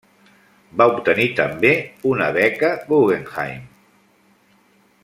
Va obtenir també una beca Guggenheim.